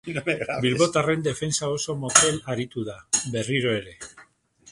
Bilbotarren defensa oso motel aritu da, berriro ere.